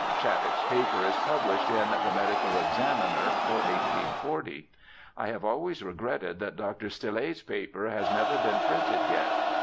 Shattuck's paper is published in the Medical Examiner for 1840. I have always regretted that Dr. Stille's paper has never been printed yet.